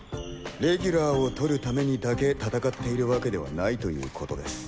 レギュラーを取るためにだけ戦っている訳ではないという事です。